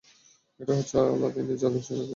এটাই হচ্ছে আলাদীনের জাদুর চেরাগের রহস্য।